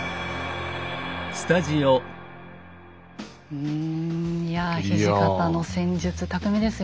うんいや土方の戦術巧みですよね。